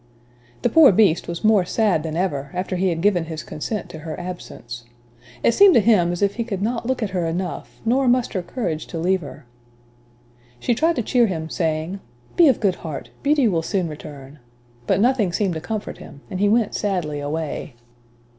The poor Beast was more sad than ever, after he had given his consent to her absence. It seemed to him as if he could not look at her enough, nor muster courage to leave her. She tried to cheer him, saying, "Be of good heart, Beauty will soon return," but nothing seemed to comfort him, and he went sadly away.